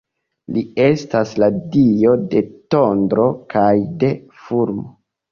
Li estas la dio de tondro kaj de fulmo.